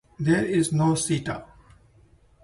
There is no seta.